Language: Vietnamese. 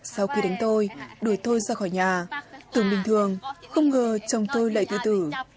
sau khi đánh tôi đuổi tôi ra khỏi nhà tưởng bình thường không ngờ chồng tôi lại tự tử